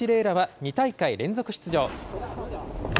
楽は２大会連続出場。